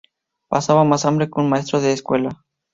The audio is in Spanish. Pasaba más hambre que un maestro de escuela